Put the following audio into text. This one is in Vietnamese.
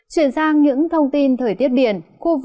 chuyển sang những thông tin thời tiết biển